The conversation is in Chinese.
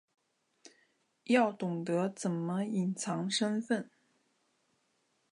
要懂得怎么隐藏身份